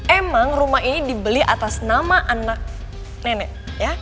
emang rumah ini dibeli atas nama anak nenek ya